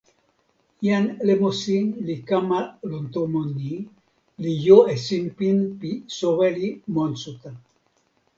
jan Lemosi li kama lon tomo ni, li jo e sinpin pi soweli monsuta.